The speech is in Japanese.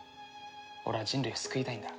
俺は人類を救いたいんだ。